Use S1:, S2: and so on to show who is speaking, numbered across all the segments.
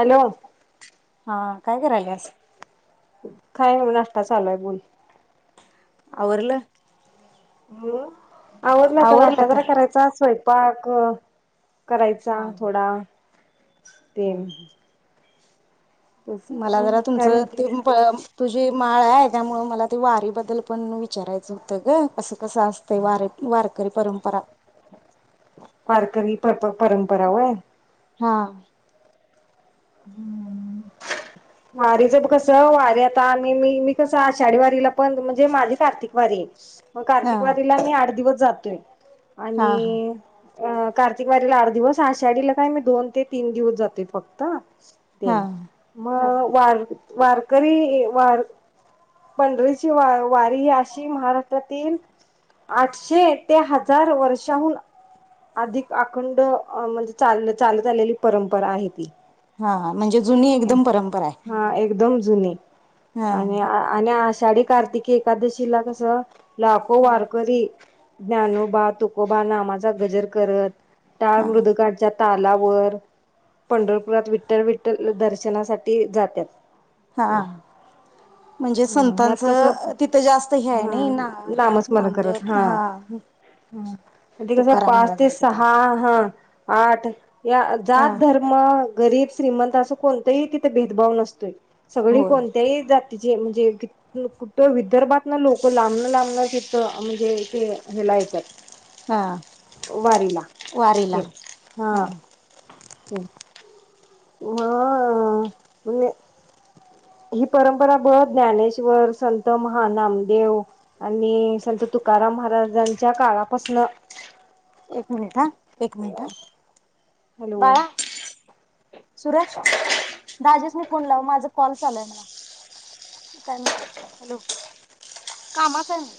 S1: Hello
S2: हा काय करायल्यास..
S1: काय मग? नाष्टा चालूय बोल.
S2: आवरलं
S1: [unintelligible] आवराल आता
S2: आवरलं
S1: नाष्टा
S2: का?
S1: जरा करायचा स्वयं... पाक करायचा
S2: हा
S1: थोडा ते
S2: [unintelligible] मला जरा
S1: काय
S2: तुमचं
S1: म्हणते
S2: ते पण तुझी माळ हाय त्यामुळे मला ते वारीबद्दल पण विचारायचं होतं ग कसं कसं असतंय वार वारकरी परंपरा....
S1: वारकरी पर परंपरा व्हय...
S2: हा
S1: हम्म वारीच्यात कस वारी आता मी मी कस आषाढी वारीला पण म्हणजे माझी कार्तिक वारी आहे.. मग
S2: हा
S1: कार्तिकवारीला आम्ही आठ दिवस जातोय
S2: हा हा
S1: आणि कार्तिक वारीला आठ दिवस आषाढीला काय मी दोन ते तीन दिवस जातोय फक्त. [unintelligible] [unintelligible] मग वार वारकरी वार... पंढरीची वारी ही अशी महाराष्ट्रातील आठशे ते हजार वर्षाहून अधिक अखंड म्हणजे चाल चालत आलेली परंपरा आहे ती..
S2: हा हा म्हणजे जुनी एकदम परंपरा आहे.
S1: हा एकदम जुनी
S2: हा
S1: आणि आणि आशा.... आषाढी कार्तिकी एकादशीला कसं.. लाखो
S2: हा
S1: वारकरी.. ज्ञानोबा, तुकोबा, नामाचा गजर करत...... टाळ
S2: हा
S1: मृदंगाच्या तालाव... वर पंढरपुरात विठ्ठल, विठ्ठल दर्शनासाठी जातत्यात..
S2: हा म्हणजे
S1: हम ह्यात कस
S2: संतांचं तिथं जास्त हे आहे
S1: हा
S2: नाही ना
S1: नामस्मरण करत हा ह ते कस
S2: तुकाराम
S1: पाच ते
S2: महाराजांचं
S1: सहा हा आठ या
S2: हा
S1: जात धर्म गरीब श्रीमंत असं कोणतही तिथे भेदभाव नसतोय. सगळी
S2: होय
S1: कोणत्याही जाती म्हणजे कुठं विदर्भात ना लोक लांबणं लांबण तिथ म्हणजे ते हेला येत्यात.
S2: हा
S1: वारीला
S2: वारीला
S1: ते हा ते म मी ही परंपरा बग ज्ञानेश्वर संत महा नामदेव आणि संत तुकाराम महाराजांच्या काळापासन
S2: एक मिनिट हा एक मिनटं हा
S1: हॅलो
S2: सुरज दाजीसनी फोन लाव माझ कॉल चालू आहे म्हणावं काय म्हणत्यात कामाच आहे म्हणावं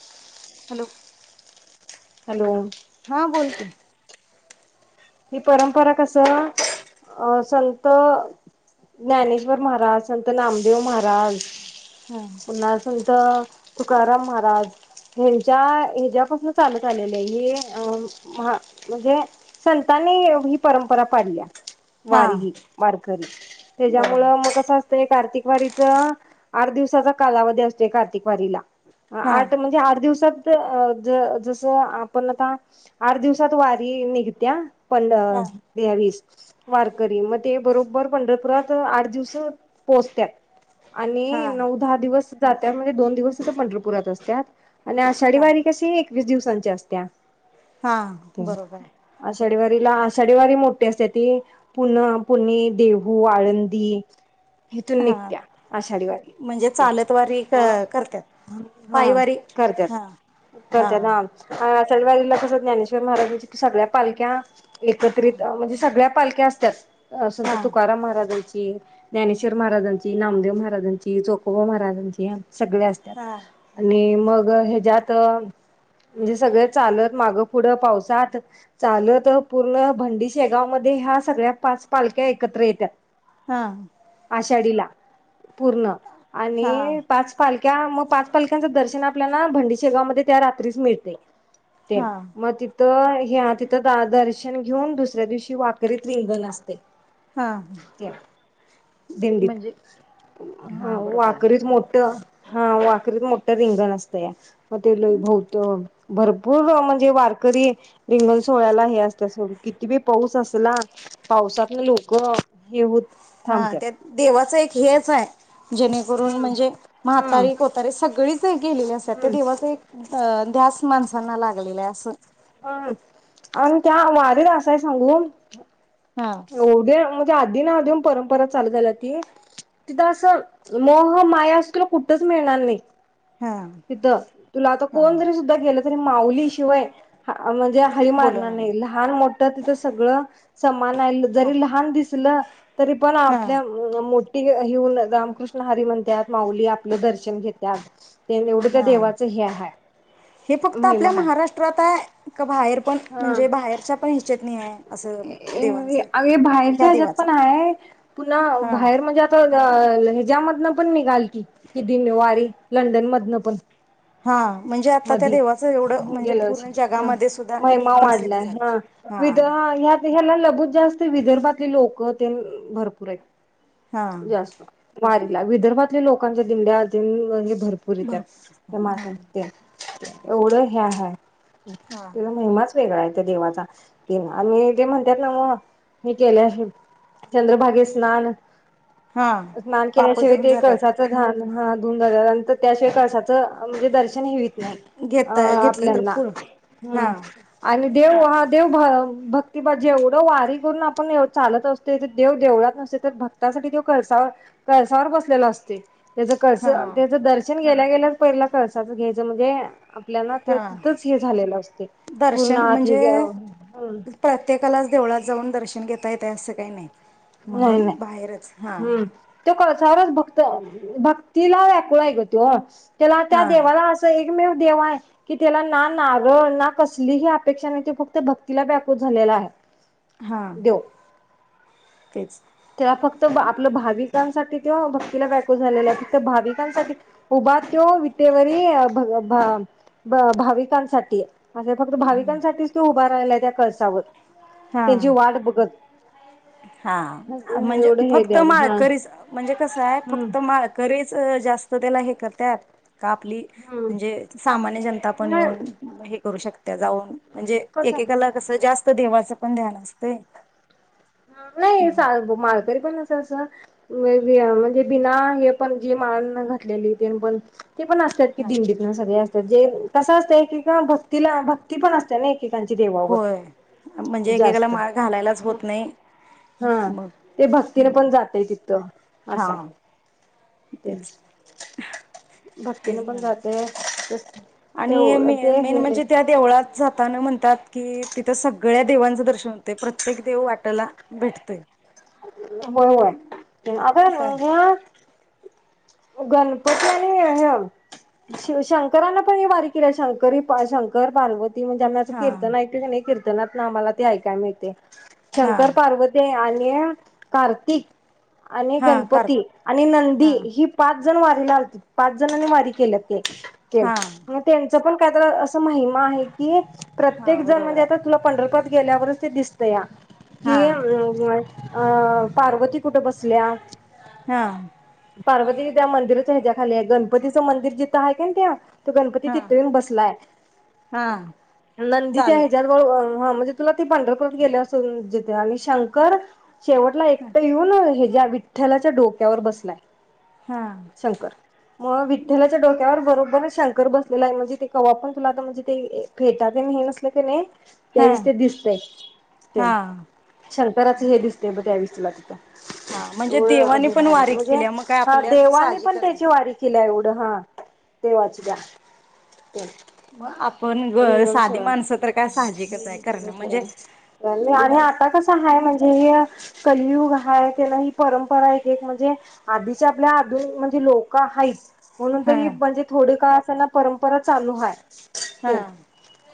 S2: हॅलो हॅलो.
S1: हॅलो
S2: हा बोल की.
S1: ही परंपरा कसं अ संत ज्ञानेश्वर महाराज सत नाम देेव महाराज
S2: हा
S1: पु्न्हा संत तुकाराम महाराज हेंच्या हेच्यापासून चालत आलेली आहे ही अ म्हणजे संतांनी ही परंपरा पाडलीया.
S2: हा
S1: वारीही वारकरी त्याच्यामुळ
S2: बरोबर
S1: मग कसं ते कार्तिकवारीच आठ दिवसाचा कालावधी असतोय कार्तिकवारीला.
S2: हा
S1: आठ म्हणजे आठ दिवसात ज जस आपण आता आठ दिवसात वारी निघ त्या पण
S2: हा
S1: त्या वेळीस वारकरी मग ते बरोबर पंढरपुरात आठ दिवस पोहोचत्यात
S2: हा
S1: आणि नऊ दहा दिवस जातीया म्हणजे दोन दिवस तिथं पंढरपुरात असत्यात आणि आषाढी
S2: हा
S1: वाारी कशी एक वीस दिवसांची असतिया.
S2: हा बरोबर
S1: आषाढीवारीला आषाढीवारी मोठी असते ती पून पुणे, देहू, आळंदी हिथून
S2: हा
S1: निघत्या आषाढी वारी
S2: म्हणजे
S1: ते
S2: चालत वारी क करत्यात
S1: हा
S2: पायवारी
S1: करत्यात
S2: हा हा
S1: करत्यात हा आषाढी वारीला कस ज्ञानेश्वर माराजांची सगळ्या पालक्या
S2: हा
S1: एकत्रित म्हणजे सगळ्या पालक्या असत्यात. संत
S2: हा
S1: तुकाराम महाराजांची ही ज्ञानेश्वर महाराजांची, नामदेव महाराजांची, चोकोबा महाराजांची सगळे असत्यात
S2: हा
S1: आणि मग ह्याच्यात म्हणजे सगळे चालत माग पुढ पावसात चाल तर पूर्ण भंडी शेगाव मध्ये ह्या सगळ्या पाच पालख्या एकत्र येत्यात.
S2: हा
S1: आषाढीला पूर्ण आणि
S2: हा
S1: पाच पालक्या म पाच पालख्यांच दर्शन आपल्याला भंडीशेगाव मध्ये त्या रात्रीच मिळतय. तेन
S2: हा
S1: मग तिथं हे आज तित तिथ दर्शन घेऊन दुसऱ्या दिवशी वाकरीत रिंगण असतय.
S2: हा
S1: दिंडीत
S2: म्हणजे हा बरोबर आहे
S1: वाकरीत मोठ हा वाकरीत मोठ रिंगण असतंया. म ते लय भवत..... भरपूर म्हणजे वारकरी रिंगन सोहळ्याला हे असत्या सोड कितीबी पाऊस असला पावसातन लोक हे होत
S2: हा
S1: थांबत्यात
S2: त्यात देवाचं एक हेच हाय.... जेणेकरून
S1: हम्म
S2: म्हणजे
S1: हम्म
S2: म्हातारी कोतारीे सगळीच हाई गेलेले असत्यात ते
S1: हम्म
S2: देवाच एक ध्यास माणसांना लागलेलंय असं
S1: हम आण त्या वारीत असाय सांगू
S2: हा
S1: एवढ्या त्या आधीन आधम परंपरा चालू झाल्याती तिथं असं मोह माया अस तुला कुठच मिळणार नाही.
S2: हा
S1: तिथ तुला आता
S2: हा
S1: कोण जरी सुद्धा गेल तरी माऊली शिवाय म्हणजे हळी मारणार नाही, लहान, मोठ तिथं सगळं समान हाय जरी लहान दिस फुलं तरी पण
S2: हा
S1: आपल्या मो ती हिऊन रामकृष्ण हरी म्हणत्यात माऊली आपलं दर्शन घेत्यात. तेन एवढं त्या
S2: हा
S1: देवाचं हे हाय
S2: हे फक्त
S1: महिमा
S2: आपल्या
S1: हाय
S2: महाराष्ट्रात आहे का बाहेर पण म्हणजे बाहेरच्या पण हिच्यात नाही आहे असं
S1: ए
S2: देवांचं
S1: अग ए बाहेरच्या
S2: ह्या
S1: ह्याच्यात
S2: देवाचं
S1: पण हाय पुन्हा
S2: हा
S1: बाहेर म्हणजे आता याच्यामधन पण निघालती ही वारी लंडन मधून.. लपण
S2: हा म्हणजे आता त्या
S1: मधी
S2: देवाचं एवढं म्हणजे
S1: गेलं
S2: पूर्ण
S1: हा
S2: जगामध्ये सुद्धा
S1: महिमा
S2: प्रसिद्ध
S1: वाढलाय
S2: झाले
S1: हा
S2: हा
S1: विध ह्या ह्याला लभूत जास् ते विदर्भातले लोक तेन भरपूर आहेत..
S2: हा
S1: जास्त मारी विदर्भातल्या लोकांच्या दिंड्या अ [unintelligible] पुरी त्याच
S2: भरपूर
S1: टमाटर
S2: हा
S1: तेल एवढं हया हाय.
S2: हा
S1: तेला महिमाच वेगळा आहे त्या देवाचा ते आणि ते म्हणत्यात नव्ह मी केलंय हे चंद्रभागे स्नान
S2: हा
S1: स्नान
S2: पाप
S1: केल्याशिवाय
S2: धुऊन
S1: ते
S2: जातात
S1: कळसाच झान हा [unintelligible] [inaudible] रिकामा ऑडिओ त्या शिवाय कळसात.. अ म्हणजे दर्शन होईत नाही
S2: घेत
S1: अ-आ
S2: घेतलं तर
S1: आपल्यांना
S2: पूर हा
S1: हं आणि.. देव हा देव भाव भक्तीबाजी एवढं वारी करून आपण चालत असतोय ते देव देवळात नसतोय तर भक्तासाठी तो कळसावर कळसावर बसलेला असतोय. त्याच कळस
S2: हा
S1: त्याच दर्श..... आपण गेल्या गेल्याच पहिला कळसाचं घ्यायचं म्हणजे.... आपल्याला
S2: हा
S1: ते तिथंच हे झालेलं असतय पूर्ण
S2: दर्शन
S1: आत हे
S2: म्हणजे
S1: नाही
S2: प्रत्येकालाच देवळात जाऊन दर्शन घेत.... येतंय असं काही नाही.. म्हणून बाहेरच हा
S1: चारच भक्त भक्तीला व्याकुळ हाय ग तो.... त्याला त्या
S2: हां
S1: देवाला असं एक... एकमेव देव हाय कि त्याला ना नारळ ना कसलीही अपेक्षा नाही तो फक्त भक्तीला व्याकुळ झालेला आहे.
S2: हा
S1: देव
S2: तेच.
S1: त्याला फक्त ब आपलं भावी.... भक्तांसाठी त्यो भक्तीला व्याकुळ झालेला आहे फक्त भाविकांसाठी उभा त्यो विटेवरी भग भा भा भाविकांसाठीये अगं फक्त भाविकांसाठीच त्यो उभा राहिलाय त्या... कळसावर त्यांची
S2: हां
S1: वाट बघत
S2: हा म्हणजे
S1: एवढं हे
S2: फक्त
S1: द्या हा
S2: माळकरीच म्हणजे कसं हाय
S1: हम्म
S2: फक्त माळकरीच अ जास्त तेला हे करत्यात.... का आपली
S1: हम्म
S2: म्हणजे सामान्य जनता पण
S1: नाही
S2: येऊन हे करू शक त्या जाऊन म्हणजे
S1: कसा
S2: एकेकाला कसं जास्त देवाचं पण ध्यान असतय.......
S1: नाही सा माळकरी पण अस असं [inaudible] म्हणजे बिना हे पण जी माळ न घातलेली त पण ते पण असतात की दिंडीतन सगळे असतात जे कसं असतंय की का भक्तीला भक्ती पण असते नाही
S2: होय म्हणजे एकेकाला
S1: जास्त
S2: माळ घालायलाच होत नाही
S1: हा
S2: मग
S1: ते भक्तीने पण जातय तिथं ह [inaudible]
S2: हा तेच
S1: ते भक्तीने पण जाते ते
S2: [inaudible] आणि मे
S1: ते
S2: मेन
S1: हे
S2: म्हणजे त्या देवळात जाताना म्हणतात कि तिथं सगळ्या देवांचं दर्शन होतंय प्रत्येक देव वाटला भेटतोय.
S1: होय होय
S2: काय
S1: [unintelligible] गणपती आणि अ हं शिव शंकरांन पण ह वारी केली शंकरी शंकर पार्वती ग्यांनाेत
S2: हा
S1: नाही किर्तन ऐकतोय [inaudible] नात ना आम्हाला ते ऐकाय मिळते
S2: हा
S1: शंकर पार्वती [inaudible] [inaudible] कार्तिक आणि
S2: हा कर
S1: गणपती आणि नंदी
S2: हा
S1: हि पाच जण पाच जण वारीला आलती पाच जणांनी वारी केल्या
S2: हा
S1: [unintelligible] मग त्यांच पण का तर अस महिमा आहे की
S2: हा
S1: प्रत्येक जण
S2: बरोबर
S1: म्हणजे
S2: आहे
S1: आता तुला पंढरपूर गेल्यावरच ते दिसतंया
S2: हा
S1: [inaudible] अं पार्वती कुठे बसल्या
S2: हा
S1: पार्वती त्या मंदिर ह्याज्या खाली गणपतीचं मंदिर जिता हाय कण त्या तो गणपती
S2: हा
S1: तिथ ईऊन बसलाय
S2: हा
S1: नंदी ते [inaudible] [unintelligible]
S2: चालत
S1: ते पंढरपूर गेले सून ज आणि शंकर शेवटला एकटं येऊन हे या विठ्ठलाच्या डोक्यावर बसलाय
S2: हा
S1: शंकर मग विठ्ठलाच्या डोक्यावर बरो गण शंकर बसलेला हाय म्हणजे ते कवा पण तुला आता म्हणजे ते फेटा तेन हे नसल कनाय
S2: हा
S1: त्यावेस ते दिसतय ते
S2: हा
S1: शंकराच हे दिस मग त्यावेळेस तुला
S2: हा
S1: तिथं
S2: म्हणजे
S1: ओय
S2: देवाने पण वारी
S1: म्हणजे
S2: केल्या मग काय
S1: ह
S2: आपल्याच
S1: देवानी पण
S2: साहजिकच आहे
S1: त्याची वारी केली हाय ओ हा देवाची दया
S2: मग आपण ग
S1: रियल
S2: साधी
S1: सोळा
S2: माणसं तर काय साहजिकच आहे करणं म्हणजे
S1: आणि
S2: मग
S1: आता कस हाय माही ध्येय कलियुग हाय त्यांन ही परंपरा एक एक म्हणजे आधीच्या आपल्या आधुनिक म्हणजे लोक हायत. म्हणून तर ही
S2: हां
S1: म्हणजे थोडे काळ त्याला परंपरा चालू हाय ते
S2: हां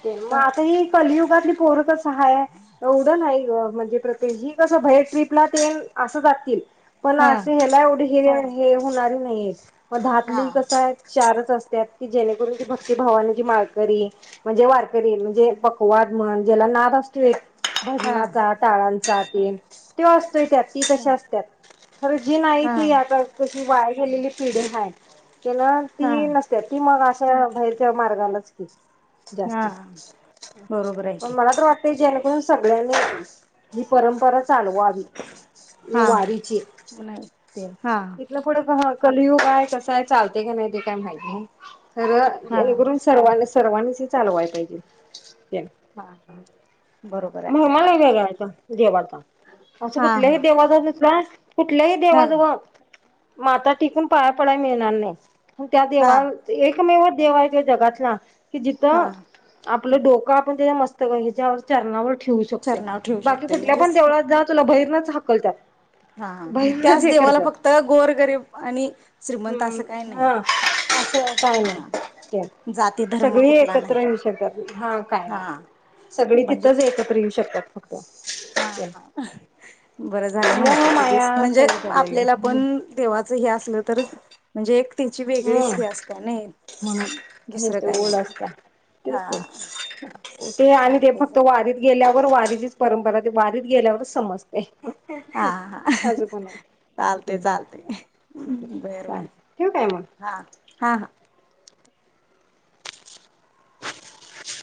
S1: ते म आताच ही कलियुग युगातली पोर कसं सा आहे एवढ नाही. बघ प्रत्ये ही कस बाहेर ट्रीपला तेन असं जातील पण
S2: हां
S1: अशी ह्याला एवढी हे हे होणार नाहीयेत मग दहातली
S2: हां
S1: कसय चारच असत्यात की जेणेकरूनी भक्तीभवाना जी माारकरी म्हणजे वारकरी म्हणजे पकवाद म्हण ज्याला नाद असत्यो एक
S2: हां
S1: भजनाचा टाळांचा तेन त्यो अस तोय त्यात ती तशी असत्यात खरं जी नाही
S2: हां
S1: ती आता काशी वाया गेलेली पिढी हाय तेन ती
S2: हां
S1: नसत्यात ती मग आ हा बाहेरच्या मार्गालाच की जास्त
S2: हां बरोबर आहे
S1: पण
S2: की
S1: मला तर वाटतय जेणेकरून सगळ्यांनी [unintelligible] परंपरा चालवावी नि
S2: हां
S1: वारीची तेन
S2: हां
S1: इथन पुढं कलयुगय कसं आहे चालते का नाही ते काय माहित नाय. तर
S2: हां
S1: जेणेकरून सर्वांना सर्वांनाच चालवाय पाहिजेत
S2: हा हा ब
S1: महिमा लई वेगळाय तो देवाचा असं
S2: हा
S1: कुठल्याही
S2: हा
S1: देवाचा तिथंला कुठलेही
S2: हा
S1: देवा जवळ माता टिकून पाया पडाय मिळणार नाही [inaudible] त्या
S2: हा
S1: देवाल एकमेव देव हाय तो जगातला की जिथ
S2: हा
S1: आप आपलं डोकं आपण त्या मस्त ह्याच्यावर [inaudible] ठेवू
S2: तर
S1: शकतोय
S2: नाव ठेवू
S1: बाकी
S2: शकते
S1: कुठल्या पण
S2: म्हणजेच
S1: देवळात जात तुला बहिरनच हाकलत्यात
S2: हा त्याच देवाला फक्त गोरगरीब आणि श्रीमंत असं काही
S1: हम्म
S2: नाही
S1: हा असं काय नाही
S2: हा
S1: ते
S2: जाती धर्म
S1: सगळी
S2: कुठला नाही
S1: एकत्र येऊ शकतात हा काय नाही
S2: हा
S1: सगळी
S2: म्हणजे
S1: [unintelligible]
S2: हा हा [unintelligible] बरं झालं माहिती
S1: मोह
S2: दिलीस
S1: माया
S2: म्हणजे
S1: सगळे चाललेले
S2: आपल्याला पण
S1: हम्म
S2: देवाचं हे असलं तरच म्हणजे एक तेंचि वेगळीच ही असतेय नाइ म्हणून
S1: हेच
S2: दुसरं
S1: ते
S2: काही नाही
S1: ओढ असत्या तेच ते
S2: हा चालत
S1: र वारीचीच परंपरा ते वारीत गेल्यावरच समजतय
S2: हा हा [inaudible] चालतय
S1: होतंय.
S2: चालतय [inaudible] बर बर
S1: चालतंय ठेवू काय मग?
S2: हा हा हा